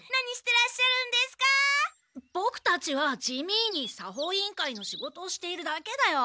ボクたちは地味に作法委員会の仕事をしているだけだよ。